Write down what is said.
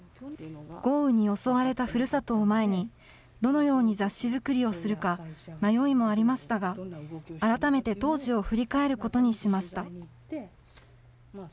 豪雨に襲われたふるさとを前に、どのように雑誌作りをするか、迷いもありましたが、改めて、当時を振り返ることにしました。